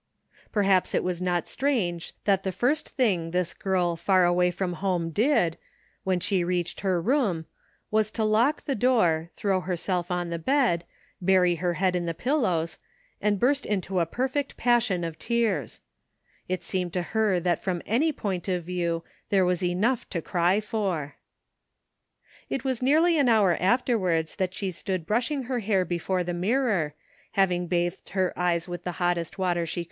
Perhaps it was not strange that the first thing this girl far away from home did, when she reached her room, was to lock the door, throw herself on the bed, bury her head in the pil lows, and burst into a perfect passion of tears. It seemed to her that from any point of view there was enough to cry for. It was nearly an hour afterwards that she stood brushing her hair before the mirror, hav ing bathed her eyes with the hottest water she ANOTHER *' SIDE TRACK."